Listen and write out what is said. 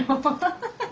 ハハハ！